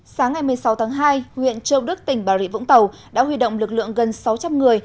sáng ngày một mươi sáu tháng hai huyện châu đức tỉnh bà rịa vũng tàu đã huy động lực lượng gần sáu trăm linh người